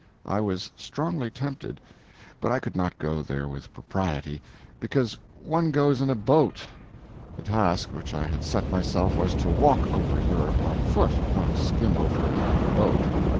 I was strongly tempted, but I could not go there with propriety, because one goes in a boat. The task which I had set myself was to walk over Europe on foot, not skim over it in a boat.